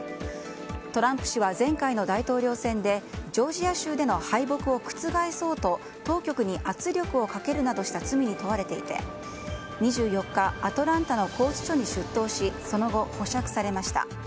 トランプ氏は前回の大統領選でジョージア州での敗北を覆そうと当局に圧力をかけるなどした罪に問われていて２４日、アトランタの拘置所に出頭しその後、保釈されました。